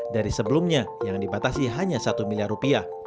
dari sebelumnya yang dibatasi hanya satu miliar rupiah